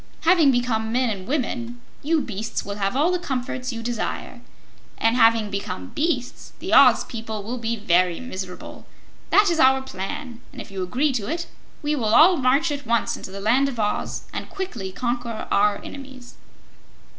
Having become men and women, you beasts will have all the comforts you desire, and having become beasts, the Oz people will be very miserable. That is our plan, and if you agree to it, we will all march at once into the Land of Oz and quickly conquer our enemies."